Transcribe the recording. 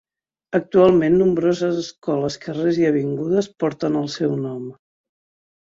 Actualment nombroses escoles, carrers i avingudes porten el seu nom.